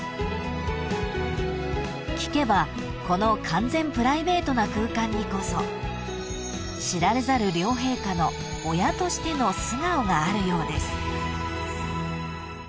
［聞けばこの完全プライベートな空間にこそ知られざる両陛下の親としての素顔があるようです］